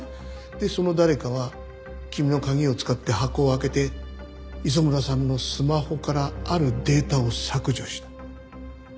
でその誰かは君の鍵を使って箱を開けて磯村さんのスマホからあるデータを削除した。